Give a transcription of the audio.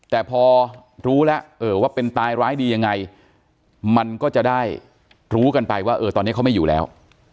แต่พอรู้แล้วว่าเป็นตายร้ายดียังไงมันก็จะได้รู้กันไปว่าตอนนี้เขาไม่อยู่แล้ว